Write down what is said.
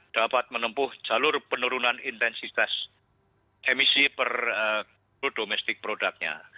dapat menempuh jalur penurunan intensitas emisi per domestic product nya